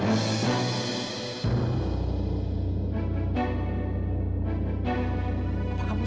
apa kamu tahu